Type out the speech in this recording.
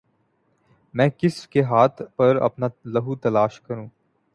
میں کس کے ہاتھ پر اپنا لہو تلاش کروں